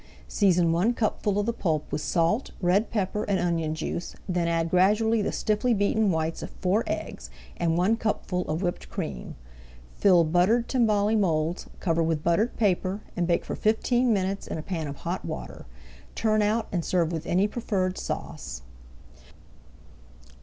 Season one cupful of the pulp with salt, red pepper, and onion juice, then add gradually the stiffly beaten whites of four eggs, and one cupful of whipped cream. Fill buttered timbale moulds, cover [Page 196] with buttered paper, and bake for fifteen minutes in a pan of hot water. Turn out and serve with any preferred sauce.